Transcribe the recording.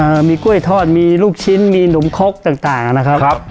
เอ่อมีกล้วยทอดมีลูกชิ้นมีหนุ่มคล็กต่างนะครับครับ